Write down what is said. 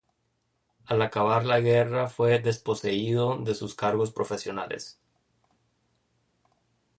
Al acabar la guerra fue desposeído de sus cargos profesionales.